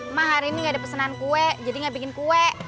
emang hari ini gak ada pesanan kue jadi gak bikin kue